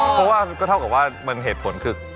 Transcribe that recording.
เพราะว่าก็เท่ากับว่าเหตุผลคือ